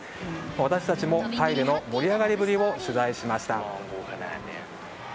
私たちもタイでの盛り上がりぶりを取材しました。